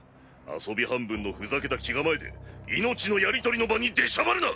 遊び半分のふざけた気構えで命のやり取りの場に出しゃばるな！